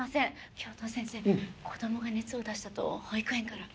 教頭先生子供が熱を出したと保育園から。